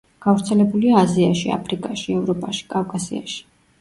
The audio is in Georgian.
გავრცელებულია აზიაში, აფრიკაში, ევროპაში, კავკასიაში.